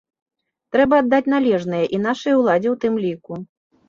Трэба аддаць належнае і нашай уладзе ў тым ліку.